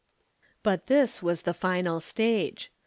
But this was the final stage.